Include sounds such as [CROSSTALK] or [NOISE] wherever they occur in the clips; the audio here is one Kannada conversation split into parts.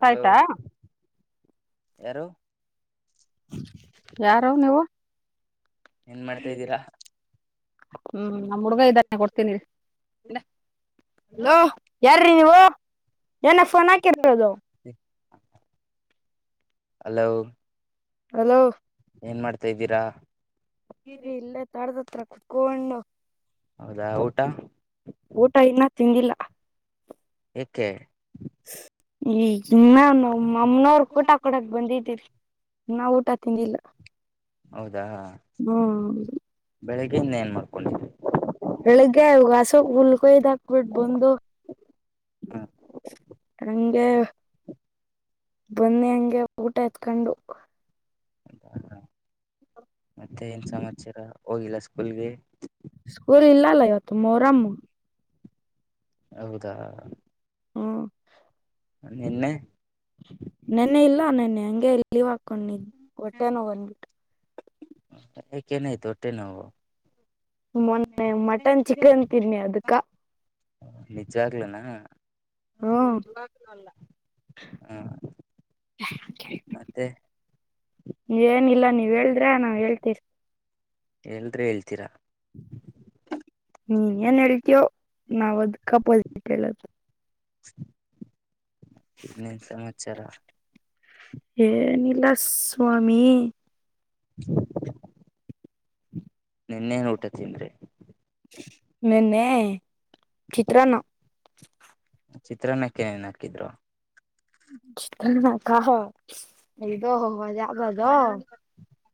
ಹಲೋ ಯಾರು ಯಾರರು ಏನ್ ಮಾಡ್ತಾದ್ದೀರಾ ಹ್ಮ್ ನಮ್ಮ್ ಹುಡ್ಗ ಇದನೇ ಕೊಡ್ತೀನಿ ಇರಿ ಹಲೋ ಯಾರ್ರಿ ನೀವು ಏನ ಫೋನ್ ಹಾಕಿ ರೋದು ಅಲೋ ಏನ್ ಮಾಡ್ತಾದ್ದೀರಾ ರಿ ಇಲ್ಲೇ ತಡದತ್ರ ಟ್ರಕ್ ಅನ್ನು ಊಟ ಇನ್ನೂ ತಿಂದಿಲ್ಲ ಯಾಕೆ ಈಗನ್ನ ನ ಅಮ್ಮನವ್ರ ಕೂಟ ಕೊಡಕ್ ಬಂದಿದ್ದೀರಿ ನಾ ಊಟ ತಿಂದಿಲ್ಲ ಹ್ಮ್ ಬೆಳಗ್ಯಿಂದ ಏನ್ ಮಾಡ್ಕೊಂಡಿದರಿ ಬಿಟ್ ಬಂದು ಹಂಗೆ ಬನ್ನಿ ಹಂಗೆ ಊಟ ಎತ್ಕೊಂಡು ಮತ್ತೆ ಏನ್ ಸಮಾಚಾರ ಹೋಗಿಲ್ಲ ಸ್ಕೂಲ್ಗೆ. ಸ್ಕೂಲ್ ಇಲ್ಲಲ್ಲ ಇವತ್ತು ಮೋರಮ್ಮು. ಹೌದಾ. ಹ್ಮ. ನಿನ್ನೆ. ನೆನ್ನೆ ಇಲ್ಲ ನೆನ್ನೆ ಹಂಗೆ ಇ. ಲೀವ್ ಹಾಕೊಂಡ್ ಹೊಟ್ಟೆ ನೋಗಂದ್ಬಿಟ್ಟು. ತಿನ್ನವ ಮೊನ್ನೆ ಮಟನ್ ಚಿಕನ್ ತಿನ್ನಿ ಅದಕ್ಕ. ನಿಜ ಆಗ್ಲನಾ. ಹ್ಮ್ ಇ ಅಲ್ಲ ಹ್ಮ್. ನತೆ. ನೀ ಏನಿಲ್ಲ ನೀವ್ ಹೇಳಿದ್ರ ನಾವ್ ಹೇಳ್ತಿರ್. ಎಲ್ದ್ರೆ ಹೇಳ್ತೀರಾ ನೀನ್ ಏನ್ ಹೇಳ್ತೀಯೋ ನಾವ್ ಅದ್ ಕಪೋಸಿಟ್ ಹೇಳದು ಹ ಹೇ ನೀಲಾಾಸ ಸ್ವಾಮಿ ಹ ನಿನ್ನೆನ್ ಊಟತೀನ್ ಮನ್ನ ಚತ್ರರ ನ ಚಿತ್ರಾನ್ನಕ್ಕೆಏನ್ ಹಾಕಿದ್ರು. ಕ ಇದು ಹೊ ಹೊ ಜಾಗದು.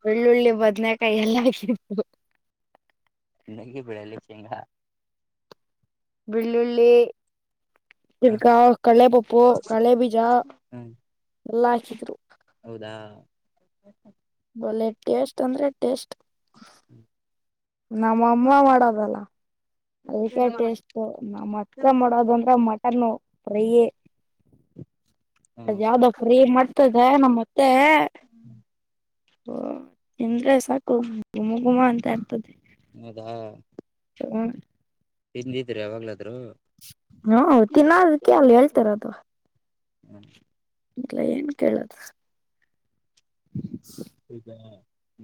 ಒಳ್ಳುಳ್ಳಿ ಬದ್ನಕಾಯಿ ಎಲ್ಲ ಆತ್ತು. ನಗಿ ಬೆಳಲ್ಲ ಶೇಂಗಾ. ಬೆಳ್ಳುಳ್ಳಿ. ಚಿರ್ಕಾ ಕಲೆ ಪಪ್ಪು ಕಳ ಬೀಜ. ಹೌದಾ. ಒಳ್ಳ ಟೇಸ್ಟ್ ಅಂದ್ರೆ ಟೇಸ್ಟ್. ನಮ್ಮಮ್ಮ ಮಾಡೋದಲ್ಲ. ಅದಕ್ಕೆ ಟೇಸ್ಟ್ ನಾತ್ಕ ಮಾಡೋದಂದ್ರ ಮಟನ್ ಫ್ರೈ. ಹ ಅದ ಯಾವ್ದ ಮಾಡ್ತದೆ ನಮ್ಮತ್ತೆ. ಓ ಎಂದ್ರೆ ಸಾಕು ಗುಮ ಗುಮ ಅಂತ ಇರ್ತದೆ. ಚಗಣ. ಇದಿದ್ರೆ ಯಾವಾಗ್ಲ. ಹ ತಿನ್ನದಕ್ಕೆ ಅಲ್ಲಿ ಹೇಳ್ತಾರ ಅದು. ಇಲ್ಲ ಏನ್ ಕೇಳದು. ಹ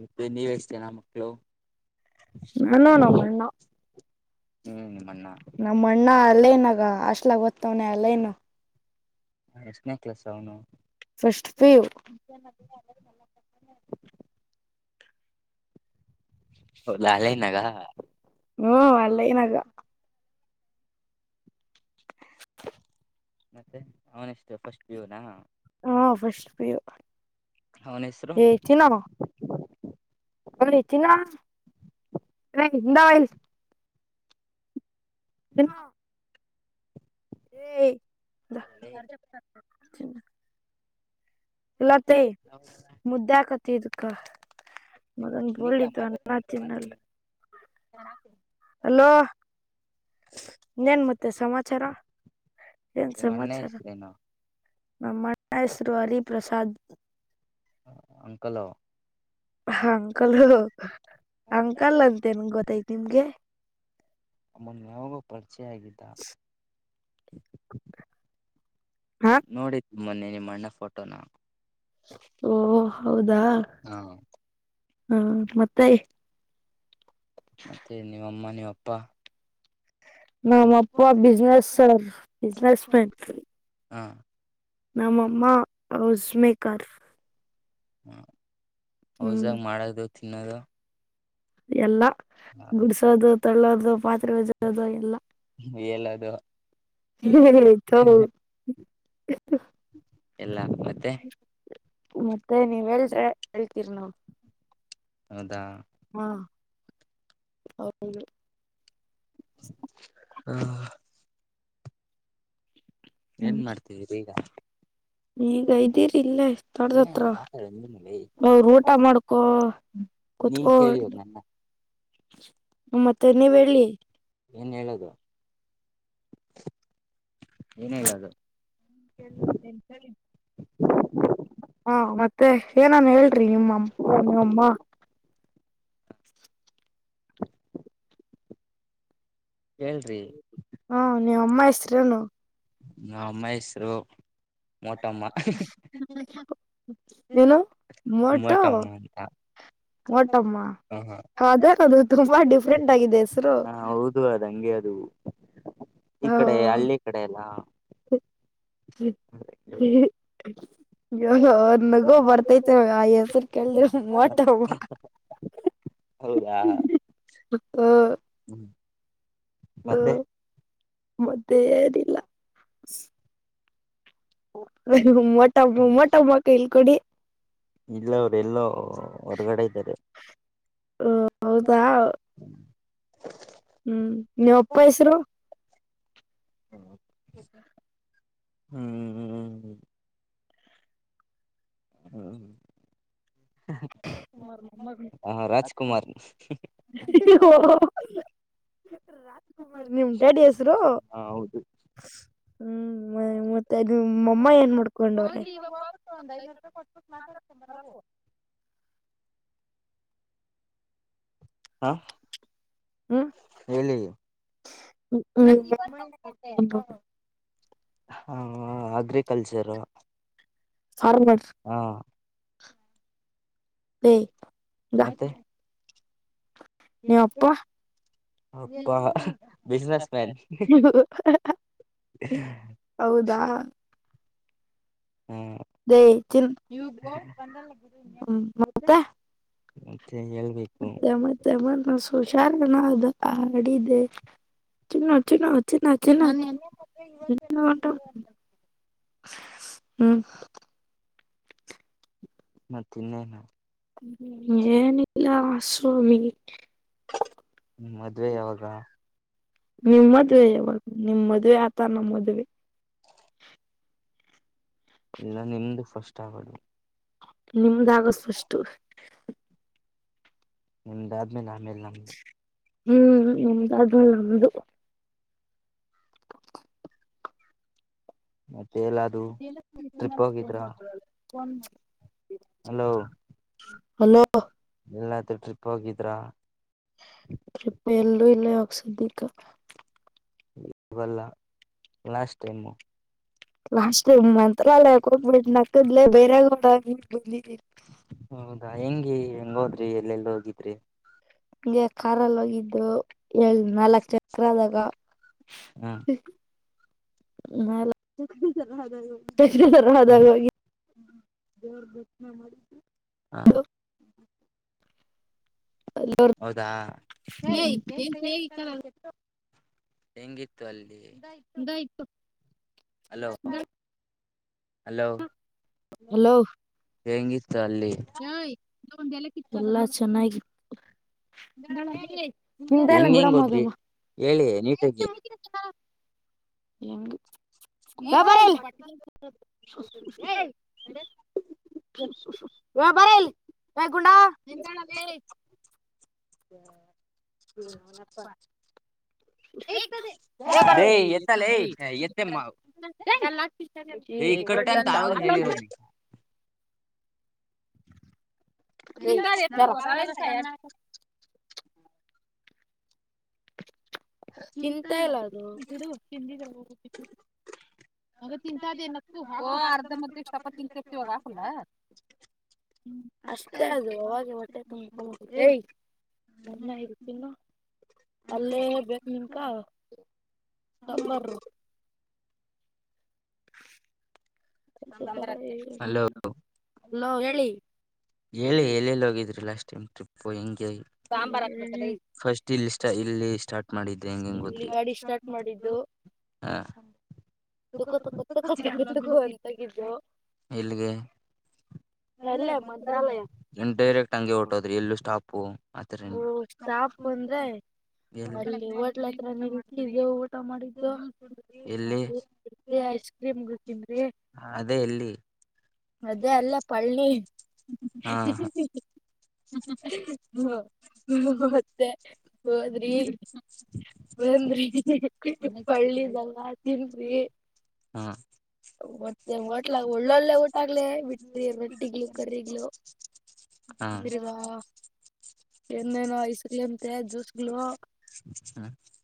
ಮತ್ತೆ ನೀವಷ್ಟತೇನಾ ಮಳವು. ಮಣ್ಣೋಣ ಮಣ್ಣ. ಹ್ಮ್. ನಮ್ಮ ಅಣ್ಣ ಅಲ್ಲ ನಾಗ ಅಷ್ಟಲಾಗ ವನ ಅಲ್ಲೇನು. ಹ ಎಷ್ಟನೇ ಕೆಲಸ ಅವನು. ಫಸ್ಟ್ ಪೇವ. ಹ ಲಾಲೇನಗ. ಏನಾಗ. ಹ ಮತ್ತೆ ಅವನ ಎಷ್ಟು ಫಸ್ಟ್ ವ್ಯೂನಾ. ಹಾ ಫಸ್ ಚನ್ನಾಮ. ಅವರಿ ಚಿನಿಂದ ವ. ಇನ್ನ. ಏ ಇಲ್ಲತ್ತ ಮುದ್ದೆ ಹಕತಿ ಇದಕ್ಕ ಮಗನ್ ಬಲಿದ್ದ ಅ ಚನ್ನಲ್ಲ ಹಲೋ ಇನ್ನೇನ್ ಮತ್ತೆ ಸಮಾಚಾರ ಬನ್ನ ಇಷ್ಟತನ ನಮ್ಮಣ ಹೆಸರು ಹರಿಪ್ರಸಾಾದ್ ಅಂಕಲ್ ಅಂಕಲ್ ಅಂತೆನ್ ಗೊತ್ತತ್ ನಿಮ್ಗೆ ಅಮ್ಮನ್ಯಾವಾಗೋ ಪರಿಚಯ ಆಾಗಿದ್ದ ನೋಡಿದ್ನಿ ಮೊನ್ನೆ ನಿಮ್ಮ ಅಣ್ಣ ಫೋಟೋನ ಓ ಹೌದು ಹಾ ಹ್ಮ್ ಮತ್ತೆ ನಿಮ್ಮ ಅಪ್ಪ ನಮ್ಮ ಅಪ್ಪ ಬಿಸಿನೆಸ್ಸೆರ್ ಬಿಸಿನಸ್ ಮೆನ್ ನಮ್ಮಮ್ಮ ಹೌಸ್ ಮೇಕರ್ ಹ ಹೌಜಾಗ ಮಾಡೋದು ತಿನ್ನೋದು ಎಲ್ಲ ಗುಡ್ಸೋದು ತಳ್ಳೋದು ಪಾತ್ರೆ ಉಜೋದು ಎಲ್ಲ ಎಲ್ಲದು ಹ್ಮ [UNINTELLIGIBLE] ಎಲ್ಲನು ಮತ್ತೆ ಮತ್ತೆ ನೀವ್ ಹೇಳಿದ್ರೆ ಹೇಳ್ತೀರ್ ನಾವ ಹೌದಾ ಹಾ ಹೌದು ಹಾ ಏನ್ ಮಾಡ್ತಿದಿರಿ ಈಗ ಈಗ ಇದೀರಿ ಇಲ್ಲೇ ತೊಟದತ್ರ ಅವರು ಊಟ ಮಾಡ್ಕೊ ನೀನ್ ಕೇಳಿದ್ದು ನನ್ನ ಹ ಮತ್ತೆ ನೀವ ಹೇಳಿ ಏನ್ ಹೇಳದು ಏನ್ ಹೇಳದು ಹಾ ಮತ್ತೆ ಏನನ್ ಹೇಳ್ರಿ ನಿಮ್ಮ ಅ ನಿಮ್ಮ ಹ [INAUDIBLE] ಹಾ ನಿಮ್ಮ ಅಮ್ಮ ಹೆಸ್ರೇನು ನಮ್ಮ ಅಮ್ಮ ಹೆಸರು ಹ ಮೋಟಮ್ಮ ಅಂತ [INAUDIBLE] ಮೋಟಮ್ಮ ಹ ಹ ಹೌದು ಅದಂಗೆ ಅದು ಹ್ಮ ಈ ಕಡೆ ಹಳ್ಳಿ ಕಡೆ ಅಲ್ಲ ಹ್ಮ ಹ್ಮ [INAUDIBLE] ಏನೋ ನಗು ಬರ್ತೈತೆ ಆ ಹೆಸ್ರು ಕೇಳಿದ್ರೆ ಮೋಟಮ್ಮ ಹೌದಾ ಹ್ಮ ಹ್ಮ್ ಮತ್ತೆ ಮತ್ತೆ ಏನ್ ಇಲ್ಲ ಮೋಟಮ್ಮ [UNINTELLIGIBLE] ಇಲ್ಕೋಡಿ ಇಲ್ಲ ಅವರು ಎಲ್ಲೋ ಹೊರ್ಗಡೆ ಇದ್ದಾರೆ ಹಾ ಹೌದಾ ಹ್ಮ್ ನೀಮ್ಮ ಅಪ್ಪ ಹೆಸರು ಹ್ಮ್ ಹ್ಮ್ ಹ್ಮ್ ಹ ರಾಜ್ ಕುಮಾರ್ ಓ ನಿಮ್ ಡ್ಯಾಡಿ ಹೆಸರು ಹ ಹ್ಮ್ [UNINTELLIGIBLE] ಅದು ನಿಮ್ಮ ಅಮ್ಮ ಏನ್ ಮಾಡ್ಕೊಂಡವರೆ ಹಾ ಹೇಳಿ ನ [INAUDIBLE] ಹ್ಮ ಅಗ್ರಿಕಲ್ಚರ್ ಹಾ ಓಯ್ ಬಾ ನೀವ್ಪ್ಪಾ ಹೌದಾ ದಯ ಹ್ಮ ಮತ್ತ ಮತ್ತೆ ಮತ್ತೆ ಮ ಹುಷಾರಣ ಅದು ಆ ಅಡಿದ್ದ ಚುನಾವ ಚುನಾವ ನನ್ನ ಎಲ್ಲ ಹೆ ಇವತ್ತಲ್ಲ ಹ್ಮ್ ಮ ತಿನ್ನೇನಾ ಹ್ಮ ಏನಿಲ್ಲ ಅಸ್ವಾಮಿ ಹ್ಮ ಮದ್ವೆ ಯಾವಾಗ ನಿಮ್ಮದ್ುವೆ ಯಾಗ ನಿಮ್ಮ ಮದ್ವೆ ಆತ ನಮ್ಮ ಮದ್ೆ ಇಲ್ಲ ನಿಮ್ದು ಫಸ್ಟ್ ಆಗದು ನಿಮ್ದಾಗ ಅಷ್ಟು ನಮ್ದಾದ್ಮೇಲೆ ಆಮೇಲೆ ನಮ್ದು ಹ್ಮ್ ಅದಲ್ಲ ಒದು ಮತ್ತೆ ಎಲ್ಲದು ಟ್ರಿಪ್ೋಗಿದ್ರ ಹಲೋ ಎಲ್ಲತ್ರ ಟ್ರಿಪ್ ಹೋಗಿದ್ರಾ ಕಿಪ್ಪ ಎಲ್ಲೂ ಇಲ್ಲ ಆಕ್ಸಧಿಕ ಇವಲ್ಲ ಲಾಸ್ಟ್ ಟೈಮು ಲಾಸ್ಟ್ ಟೈಮ್ ಮಂತ್ರಾಲಯಕ್ ಹೋಗ್ಬಿಟ್ಟ ನಕ್ಕದ್ಲೆೇ ಬೇರೆಡ ಬಂದ ಹೌದಾ ಹೆಂಗಿ ಹೆಂಗೋದ್ರಿ ಎಲ್ಲೆಲ್ ಹೋಗಿದ್ರಿ ಇದ ಖಾರಲ್ೋಗಿದ್ದು ಎಳ್ ನಾಲ್ಕ್ ಚಕ್ರ ಆದಾಗ ನಾಲ್ ತರ ಅಾಗ ಜ ಹಾ ಹೌದಾ ಹೆಂಗಿತ್ತು ಅಲ್ಲಿ ದೈತು ಹಲೋ ಅ ನ ಹೆಂಗ ಹೆಂಗ್ ಹೋದ್ರಿ ಹೇಳಿ ನೀಟಗ ಹೆಂಗು ಸ್ ಬರ ವ ಬರಲ್ ವೈ ಗುಂಡಾ ನೀ ನಪಾಯ ಎ ಎ ತಿಂತಾ ಇಲ್ಲ ಅದು ಹಂಗ ತಿಂತ್ದ ಏನತ್ತು ಹ ಅರ್ಧ ಮದ ಶಾಪ ತಿನ್ಸತಿವಾಗ ಆಕಲ್ಲ ಹ್ಮ ಅಷ್ಟೇ ಅದು ಅವಾಗೆ ಮಟ್ಟೆ ತುಂಬ ಕಮುದ ನನ್ನ ಇಕಿಲ್ಲ ಅಲ್ಲೇ ಬೇಕ ನಿಮಕ ಸಾಂಬಾರ ಹಲೋ ಹೇಳಿ ಹೇಳಿ ಎಲ್ಲೆಲ್ಲಿ ಹೋಗಿದ್ರು ಲಾಸ್ಟ್ ಟೈಮ್ ಟ್ರಿಪ್ ಹ ಹೆಂಗಗೆ ಫಸ್ಟ್ ಇಲ್ಲಿ ಇಲ್ಲಿ ಸ್ಟಾರ್ಟ್ ಮಾಡ ಹೆಂಗ ಹೆಂಗದಿ ಹ ುಃಖ ುಖ ುಖ ತುಖ ದುಃಖ [UNINTELLIGIBLE] ಇಂತಗಿದ್ದು [UNINTELLIGIBLE] ಡೈರೆಕ್ಟ್ ಹಂಗೆ ಟೋದ್ರಿ ಎಲ್ಲೂ ಸ್ಟಾಪ್ [UNINTELLIGIBLE] ಸ್ಟಾಪ್ ಬಂದ್ರೆ ಅಲ್ಲಿ ೋಟ್ಲತ್ರ ನೀವು ಇಟ್ಟಿದ್ದೆ ಊಟ ಮಾಡಿದ್ದು [UNINTELLIGIBLE] ಐಸ್ ಕ್ರೀಮ್ ತಿಂದ್ರಿ ಅದೇ ಎಲ್ಲಿ ಮದೇ ಅಲ್ಲ ಪರ್ [UNINTELLIGIBLE] ಹ್ಮ ಹದ [UNINTELLIGIBLE] ಬಂದ್ರಿ ಪಳ್ಳಿದಲ್ಲ ತಿನ್ಿ [UNINTELLIGIBLE] ಮತ್ತೆ ಊಟ [UNINTELLIGIBLE] ಬಿಟ್ಟ್ರ ರೊಟ್ಟಿಗಳು ಕ್ರಗಳು ಹ ಎಲ್ಲ ನ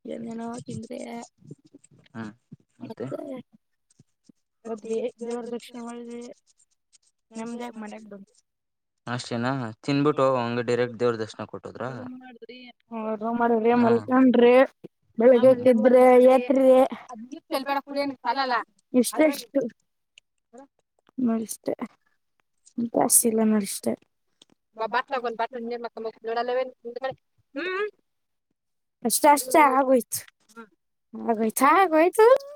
ಎ [UNINTELLIGIBLE] ಹಾ ಮಕ್ಕ [UNINTELLIGIBLE] ಹೋದ್ರಿ ದೇವರ ದಕ್ಷಿಣ ಮಾಡುದ್ವಿ ನೆಮ್ಮದಿಯಾಗಿ ಮನೆ ಬಂದ್ವಿ ರೋಮ ಮಾಡ [UNINTELLIGIBLE] ಮಲ್ಕೊಂಡ್ರಿ ಬೆಳ್ರ ಏತ್ ಕುಡ [UNINTELLIGIBLE] ನಡಷ್ಟೆ ಜಾಸ್ತಿ ಇಲ್ಲ ನೋಡಷ್ಟೆ [UNINTELLIGIBLE] ಬ ಬಾ ಸ [UNINTELLIGIBLE] ಅಷ್ಟ ಅಷ್ಟೇ ಆಗೋಯ್ತು ಆಗೋಯ್ತು ಹಾಗಗೋಯ್ತು